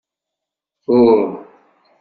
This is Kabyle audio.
Uh!